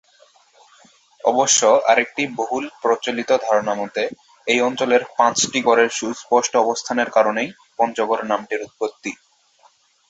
অবশ্য আরেকটি বহুল প্রচলিত ধারণা মতে, এই অঞ্চলের পাঁচটি গড়ের সুস্পষ্ট অবস্থানের কারণেই "পঞ্চগড়" নামটির উৎপত্তি।